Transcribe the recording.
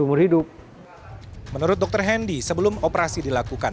menurut dokter hendewing sebelum operasi dilakukan